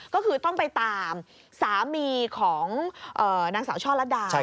ก็คือต้องไปตามสามีของนางสาวช่อลัดดา